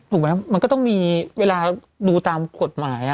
ถูกไหมมันก็ต้องมีเวลาดูตามกฎหมาย